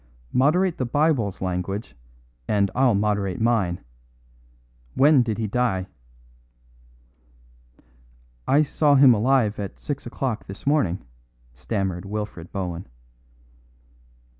"Moderate the Bible's language, and I'll moderate mine. When did he die?" "I saw him alive at six o'clock this morning," stammered Wilfred Bohun.